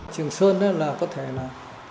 trường sơn có thể là